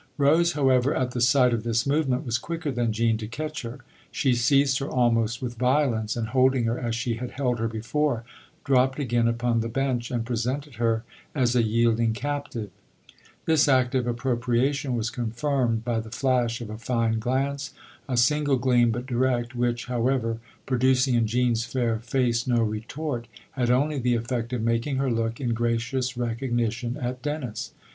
Rose, however, at the sight of this movement, was quicker than Jean to catch her; she seized her almost with violence, and, holding her as she had held her before, dropped again upon the bench and presented her as a yielding captive. This act of appropriation was confirmed by the flash of a fine glance a single gleam, but direct which, how ever, producing in Jean's fair face no retort, had only the effect of making her look, in gracious recognition, at Dennis.